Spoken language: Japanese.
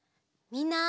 みんな。